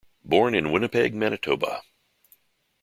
Born in Winnipeg, Manitoba.